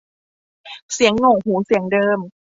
เสียงหนวกหูเสียงเดิม